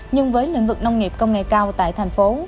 nhưng với lĩnh vực nông nghiệp công nghệ cao tại thành phố